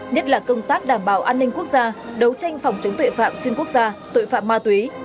nhất là công tác đảm bảo an ninh quốc gia đấu tranh phòng chống tội phạm xuyên quốc gia tội phạm ma túy